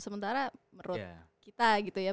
sementara menurut kita gitu ya